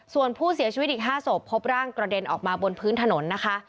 ส่วนผู้เสียชีวิตอีก๕ศพพบร่างกระเด็นออกมาบนพื้นถนนนะคะ